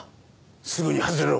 すぐに外れろ。